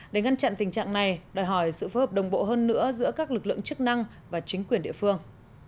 để ngăn chặn tình trạng này đòi hỏi sự phối hợp đồng bộ hơn nữa giữa các lực lượng chức năng và chính quyền địa phương